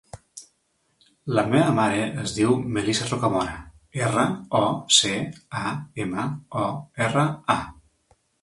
La meva mare es diu Melissa Rocamora: erra, o, ce, a, ema, o, erra, a.